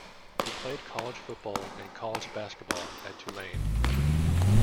He played college football and college basketball at Tulane.